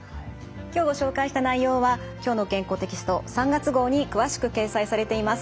今日ご紹介した内容は「きょうの健康」テキスト３月号に詳しく掲載されています。